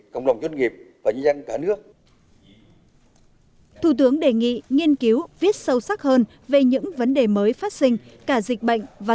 cộng đồng doanh nghiệp và nhân dân cả nước thủ tướng đề nghị nghiên cứu viết sâu sắc hơn về những vấn đề mới phát sinh dự bằng phát triển giải quyết hợp lợi và thư giãn vào văn hóa